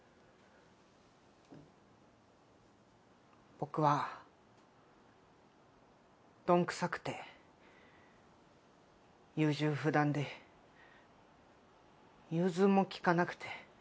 僕はどんくさくて優柔不断で融通も利かなくて。